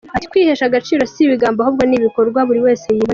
Ati :« Kwihesha agaciro si ibigambo ahubwo ni ibikorwa buri wese yibonera.